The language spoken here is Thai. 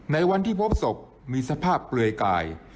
ในวันที่พบศพมีสภาพเปลือยกาย